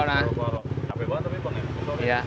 gapapa banget tapi bang ya motornya